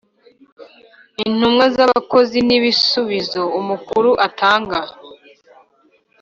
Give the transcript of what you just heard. Intumwa z abakozi n ibisubizo umukuru atanga